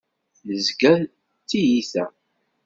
Nezga d tiyita.